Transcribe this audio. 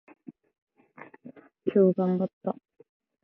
今日頑張った。